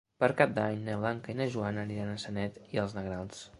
Per Cap d'Any na Blanca i na Joana aniran a Sanet i els Negrals.